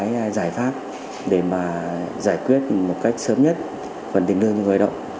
cái giải pháp để mà giải quyết một cách sớm nhất phần tiền lương cho người lao động